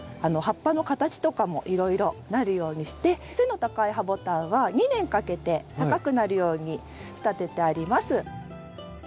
葉っぱの形とかもいろいろなるようにして背の高いハボタンは２年かけて高くなるように仕立ててあります。